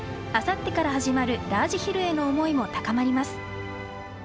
あさってから始まるラージヒルへの思いも高まります。